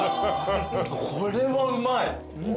これはうまい。